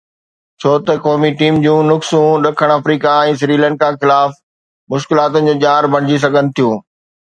ڇو ته قومي ٽيم جون نقصون ڏکڻ آفريڪا ۽ سريلنڪا خلاف مشڪلاتن جو ڄار بڻجي سگهن ٿيون.